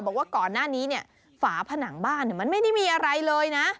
บอกว่าก่อนหน้านี้เนี่ยฝาผนังบ้านมันไม่ได้มีอะไรเลยนะ